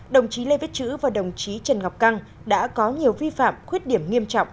đồng chí lê viết chữ và đồng chí trần ngọc căng đã có nhiều vi phạm khuyết điểm nghiêm trọng